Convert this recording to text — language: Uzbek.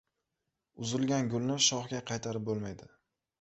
• Uzilgan gulni shoxga qaytarib bo‘lmaydi.